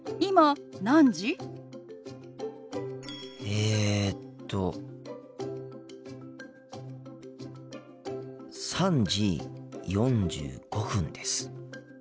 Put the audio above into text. えっと３時４５分です。